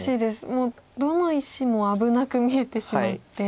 もうどの石も危なく見えてしまって。